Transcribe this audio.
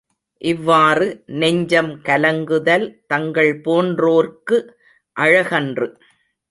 இவ்வாறு நெஞ்சம் கலங்குதல் தங்கள் போன்றோர்க்கு அழகன்று.